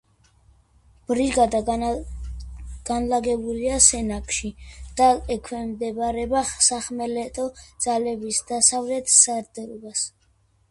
ბრიგადა განლაგებულია სენაკში და ექვემდებარება სახმელეთო ძალების დასავლეთ სარდლობას.